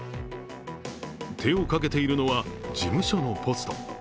手をかけているのは事務所のポスト。